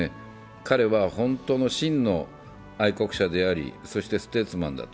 彼は本当の、真の愛国者でありステートマンだと。